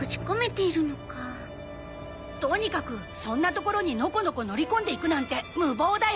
とにかくそんな所にのこのこ乗り込んでいくなんて無謀だよ。